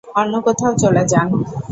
অন্য কোথাও চলে যান।